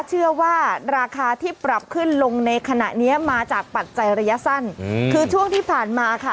เชื่อว่าราคาที่ปรับขึ้นลงในขณะเนี้ยมาจากปัจจัยระยะสั้นคือช่วงที่ผ่านมาค่ะ